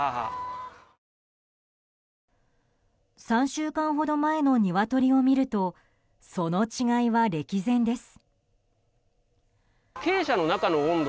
３週間ほど前のニワトリを見るとその違いは歴然です。